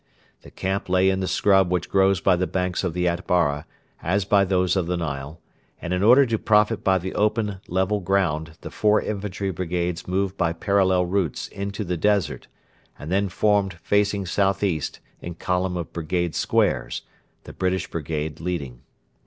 The camp lay in the scrub which grows by the banks of the Atbara, as by those of the Nile, and in order to profit by the open, level ground the four infantry brigades moved by parallel routes into the desert, and then formed facing south east in column of brigade squares, the British brigade leading.